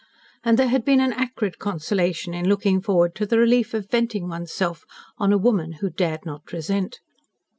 And there had been an acrid consolation in looking forward to the relief of venting one's self on a woman who dare not resent.